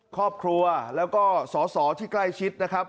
ครอบครัวแล้วก็สอสอที่ใกล้ชิดนะครับ